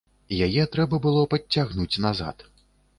Яе трэба было падцягнуць назад.